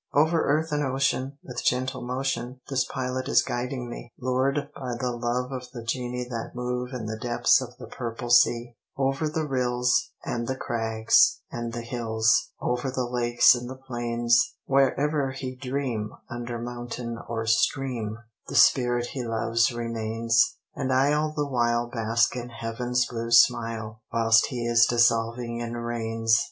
Over earth and ocean, with gentle motion, This pilot is guiding me, Lured by the love of the Genii that move In the depths of the purple sea; RAINBOW GOLD Over the rills, and the crags, and the hills, Over the lakes and the plains, Wherever he dream, under mountain or stream, The Spirit he loves remains; And I all the while bask in heaven's blue smile, Whilst he is dissolving in rains.